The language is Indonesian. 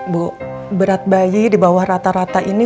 bu berat bayi di bawah rata rata ini